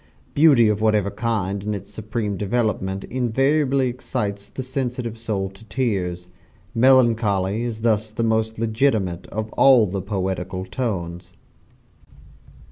Beauty of whatever kind in its supreme development invariably excites the sensitive soul to tears. Melancholy is thus the most legitimate of all the poetical tones.